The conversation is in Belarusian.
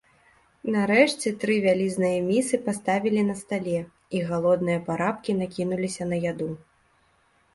Нарэшце тры вялізныя місы паставілі на стале, і галодныя парабкі накінуліся на яду.